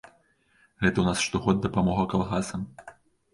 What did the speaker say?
Гэта ў нас штогод дапамога калгасам.